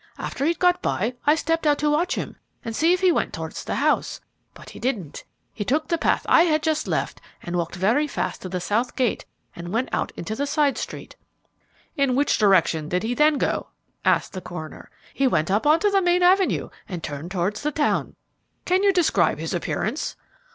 After he'd got by I stepped out to watch him and see if he went towards the house, but he didn't; he took the path I had just left and walked very fast to the south gate and went out onto the side street." "In which direction did he then go?" asked the coroner. "He went up onto the main avenue and turned towards the town." "Can you describe his appearance?"